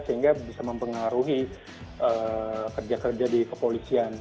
sehingga bisa mempengaruhi kerja kerja di kepolisian